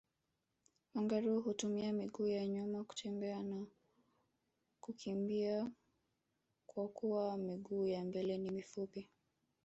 Kangaroo hutumia miguu ya nyuma kutembea na kukimbia kwakuwa miguu ya mbele ni mifupi